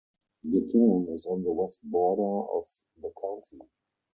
The town is on the west border of the county.